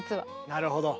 なるほど。